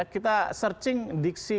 kita searching diksi